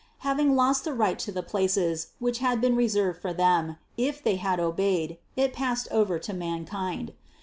Having lost the right to the places, which had been reserved for them, if they had obeyed, it passed over to mankind.